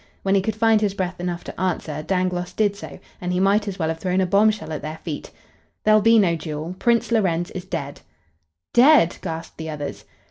When he could find his breath enough to answer, Dangloss did so, and he might as well have thrown a bombshell at their feet. "There'll be no duel. Prince Lorenz is dead!" "Dead!" gasped the others.